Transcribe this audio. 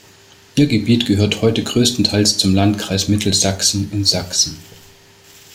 Ihr Gebiet gehört heute größtenteils zum Landkreis Mittelsachsen in Sachsen.